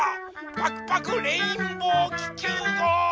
パクパクレインボーききゅうごう！